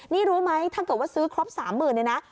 นี่รู้ไหมถ้าเกิดว่าซื้อครอบสามหมื่นเลยนะ